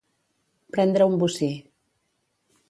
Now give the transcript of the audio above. Prendre un bocí.